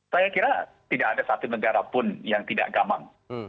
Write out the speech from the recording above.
saya kira tidak ada satu negara pun yang tidak gamang